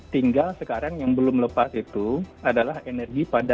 tinggal sekarang yang belum lepas itu adalah energi pada